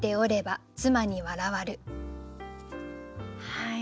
はい。